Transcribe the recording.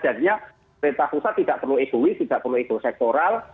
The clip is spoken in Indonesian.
jadinya pemerintah pusat tidak perlu egoist tidak perlu ekosektoral